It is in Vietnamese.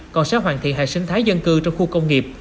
còn sẽ hoàn thiện hệ sinh thái dân cư trong khu công nghiệp